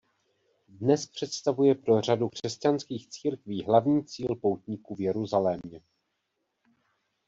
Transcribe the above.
Dnes představuje pro řadu křesťanských církví hlavní cíl poutníků v Jeruzalémě.